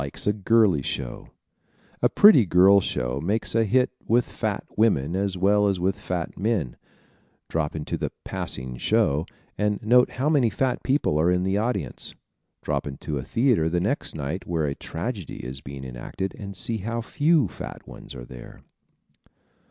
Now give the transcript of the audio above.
Likes a Girly Show ¶ A pretty girl show makes a hit with fat women as well as with fat men. Drop into the "Passing Show" and note how many fat people are in the audience. Drop into a theater the next night where a tragedy is being enacted and see how few fat ones are there.